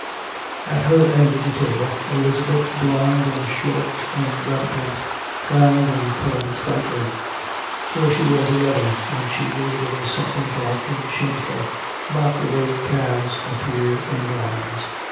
At her end of the table, Elizabeth, blonde and short and rather plump, frowned and colored slightly. For she was eleven and she knew there was something dark and shameful about the way calves appear in barns.